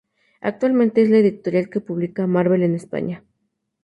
Actualmente es la editorial que publica a Marvel en España.